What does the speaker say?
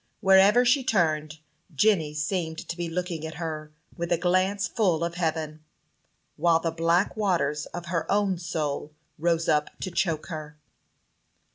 Wherever she turned, Jenny seemed to be looking at her with a glance full of heaven, while the black waters of her own soul rose up to choke her.